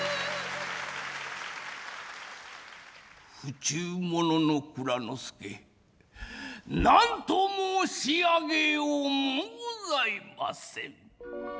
「不忠者の内蔵助なんと申し上げようもございません」。